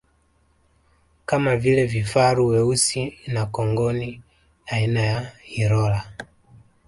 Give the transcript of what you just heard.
Kama vile vifaru weusi na kongoni aina ya Hirola